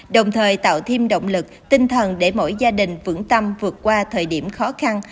đồng thời tạo thêm động lực tinh thần để mỗi gia đình vững tâm vượt qua thời điểm khó khăn